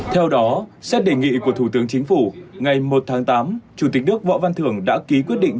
theo đó xét đề nghị của thủ tướng chính phủ ngày một tháng tám chủ tịch nước võ văn thưởng đã ký quyết định